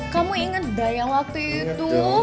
kamu inget dah yang waktu itu